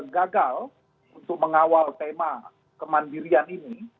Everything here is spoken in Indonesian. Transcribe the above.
gagal untuk mengawal tema kemandirian ini